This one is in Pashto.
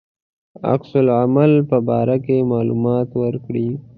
عکس العمل په باره کې معلومات ورکړي.